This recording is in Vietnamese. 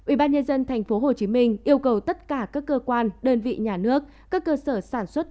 ubnd tp hcm yêu cầu tất cả các cơ quan đơn vị nhà nước các cơ sở sản xuất